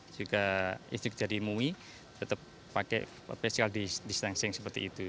juga istri dari mui tetap pakai physical distancing seperti itu